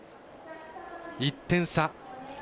１点差。